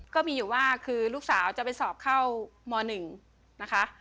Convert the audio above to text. ก็มีอยู่ว่าคือลูกสาวจะไปสอบเข้าม๑นะคะ